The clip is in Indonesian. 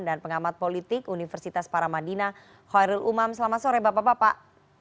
dan pengamat politik universitas paramadina khairul umam selamat sore bapak bapak